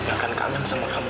gak akan kangen sama kamu